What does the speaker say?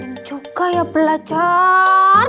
peningin juga ya belajar